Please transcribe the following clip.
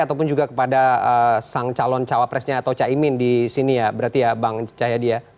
ataupun juga kepada sang calon cawapresnya atau caimin di sini ya berarti ya bang cahyadi ya